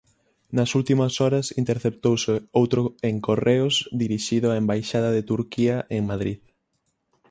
Nas últimas horas interceptouse outro en Correos dirixido á embaixada de Turquía en Madrid.